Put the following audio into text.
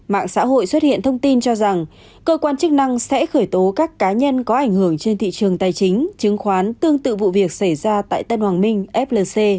mạng xã hội xuất hiện thông tin cho rằng cơ quan chức năng sẽ khởi tố các cá nhân có ảnh hưởng trên thị trường tài chính chứng khoán tương tự vụ việc xảy ra tại tân hoàng minh flc